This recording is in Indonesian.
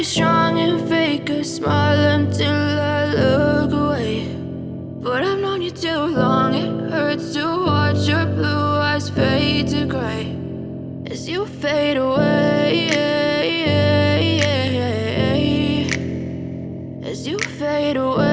kan aku udah audisi